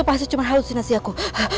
itu pasti cuma halusinasi aku